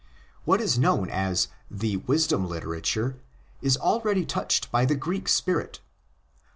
What is known as the '' Wisdom literature " is already touched by the Greek spirit.